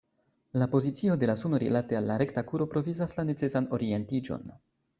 La pozicio de la suno rilate al la rekta kuro provizas la necesan orientiĝon.